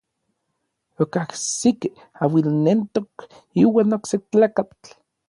Okajsikej auilnentok iuan okse tlakatl.